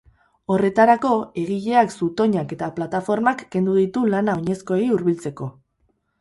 Horretarako, egileak zutoinak eta plataformak kendu ditu lana oinezkoei hurbiltzeko.